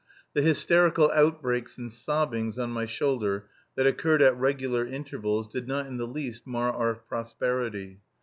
The hysterical outbreaks and sobbings on my shoulder that recurred at regular intervals did not in the least mar our prosperity.